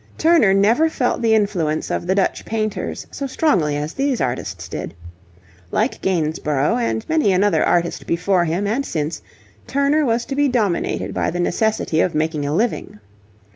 Turner never felt the influence of the Dutch painters so strongly as these artists did. Like Gainsborough, and many another artist before him and since, Turner was to be dominated by the necessity of making a living.